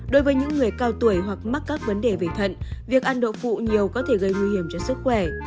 đối với những người cao tuổi hoặc mắc các vấn đề về thận việc ăn độ phụ nhiều có thể gây nguy hiểm cho sức khỏe